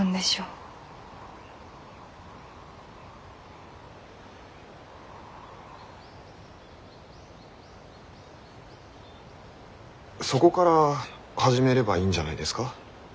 そこから始めればいいんじゃないですか？